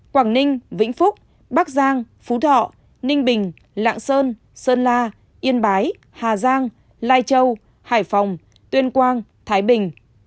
quảng ninh vĩnh phúc bắc giang phú thọ ninh bình lạng sơn la yên bái hà giang lai châu hải phòng tuyên quang thái bình